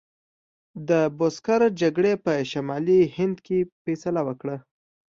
د بوکسر جګړې په شمالي هند کې فیصله وکړه.